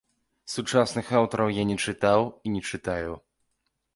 Сучасных аўтараў я не чытаў і не чытаю.